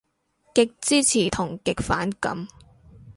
極支持同極反感